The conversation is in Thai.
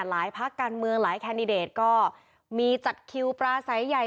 พักการเมืองหลายแคนดิเดตก็มีจัดคิวปลาใสใหญ่